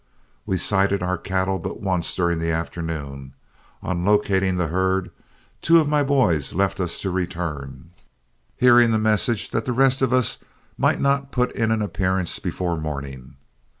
We sighted our cattle but once during the afternoon. On locating the herd, two of my boys left us to return, hearing the message that the rest of us might not put in an appearance before morning.